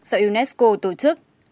sở unesco tổ chức